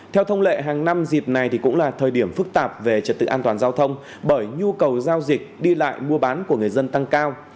theo thông lệ hàng năm dịp này cũng là thời điểm phức tạp về trật tự an toàn giao thông bởi nhu cầu giao dịch đi lại mua bán của người dân tăng cao